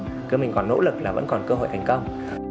là cứ mình còn nỗ lực là vẫn còn cơ hội thành công